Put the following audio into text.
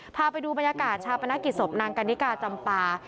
พาไปดูบรรยากาศชาปนกิจศพนางกันนิกาจำปา